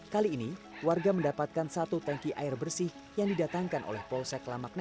kali ini warga mendapatkan satu tanki air bersih yang didatangkan oleh polsek lamak